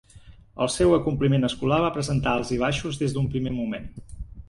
El seu acompliment escolar va presentar alts i baixos des d'un primer moment.